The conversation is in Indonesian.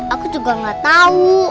aku juga gak tau